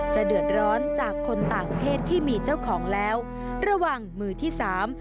จะเดือดร้อนจากคนต่างเพศที่มีเจ้าของแล้วระวังมือที่สาม